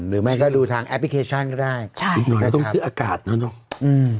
หรือไม่ก็ดูทางแอปพลิเคชันก็ได้ใช่อีกหน่อยเราต้องซื้ออากาศนะเนอะอืม